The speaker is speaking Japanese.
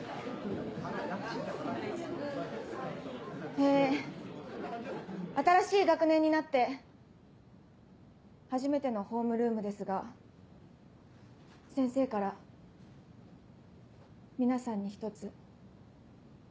え新しい学年になって初めてのホームルームですが先生から皆さんに一つ。